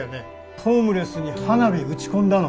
ホームレスに花火打ち込んだの？